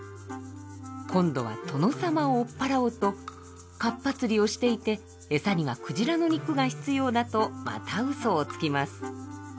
今度は殿様を追っ払おうと「かっぱ釣りをしていて餌には鯨の肉が必要」だとまたうそをつきます。